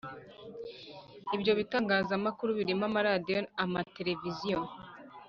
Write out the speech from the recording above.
Ibyo bitangazamakuru birimo amaradiyo amateleviziyo